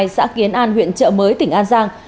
xã kiến an huyện chợ mới tỉnh an giang